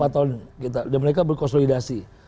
dua empat tahun dan mereka berkonsolidasi